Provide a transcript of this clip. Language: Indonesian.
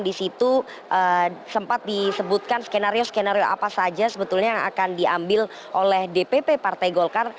di situ sempat disebutkan skenario skenario apa saja sebetulnya yang akan diambil oleh dpp partai golkar